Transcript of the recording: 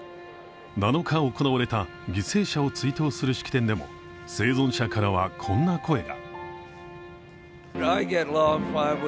７日、行われた犠牲者を追悼する式典でも生存者からは、こんな声が。